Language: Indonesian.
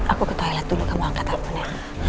aku ke toilet dulu kamu angkat teleponnya